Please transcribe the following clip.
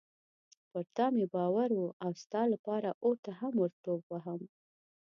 پر تا مې باور و او ستا لپاره اور ته هم ورټوپ وهم.